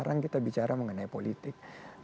sekarang kita bicara mengenai politik